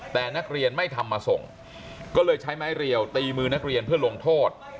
แต่นักเรียนไม่ทำมาส่งก็เลยใช้ไม้เรียวตีมือนักเรียนเพื่อลงโทษ